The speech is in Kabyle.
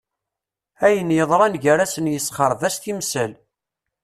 Ayen yeḍran gar-asen yessexreb-as timsal.